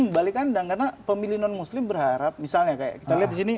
balik kandang karena pemilih non muslim berharap misalnya kayak kita lihat di sini